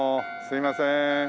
すいません。